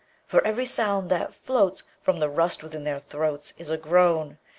For every sound that floatsFrom the rust within their throatsIs a groan.